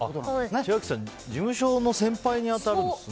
千秋さん、事務所の先輩にあたるんですね。